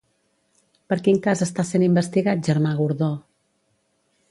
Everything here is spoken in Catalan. Per quin cas està sent investigat Germà Gordó?